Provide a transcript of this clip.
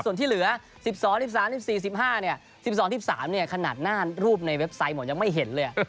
ส่วนที่เหลือ๑๒๑๓๑๔๑๕๑๒๑๓ขนาดหน้ารูปในเว็บไซต์หมดยังไม่เห็นเลย